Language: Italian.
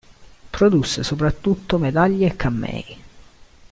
Produsse soprattutto medaglie e cammei.